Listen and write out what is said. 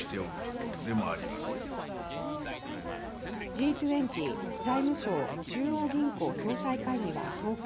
Ｇ２０財務相・中央銀行総裁会議は１０日